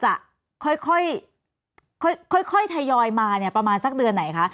จะทยอยเข้ามาเมืองไทยเนี่ยประมาณสักเดือนไหนคะ